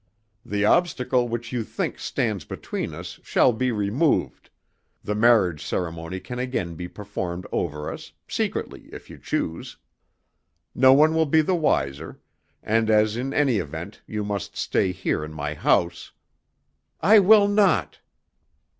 The obstacle which you think stands between us shall be removed, the marriage ceremony can again be performed over us secretly, if you choose. No one will be the wiser, and as in any event you must stay here in my house " "I will not.